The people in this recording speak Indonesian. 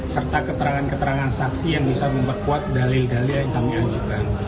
serta keterangan keterangan saksi yang bisa memperkuat dalil dalil yang kami ajukan